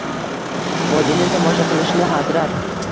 Vodiyni tomosha qilishni hazrat